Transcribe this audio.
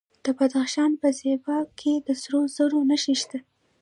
د بدخشان په زیباک کې د سرو زرو نښې شته.